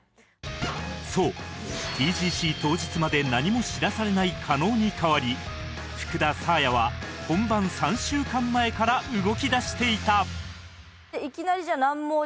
そう ＴＧＣ 当日まで何も知らされない加納に代わり福田サーヤは本番３週間前から動き出していた！